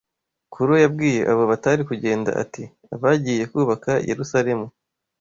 Kuro yabwiye abo batari kugenda ati ‘abagiye kubaka Yerusalemu